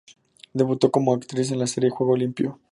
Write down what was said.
Debutó como actriz en la serie "Juego limpio".